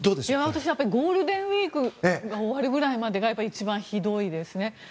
私、ゴールデンウィークが終わるくらいまでが一番ひどいですね。